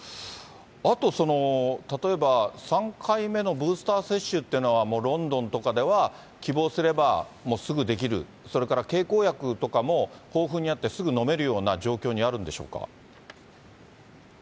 あと、例えば３回目のブースター接種っていうのは、ロンドンとかでは希望すれば、もうすぐできる、それから経口薬とかも豊富にあって、すぐ飲めるような状況にあるんでしょうか。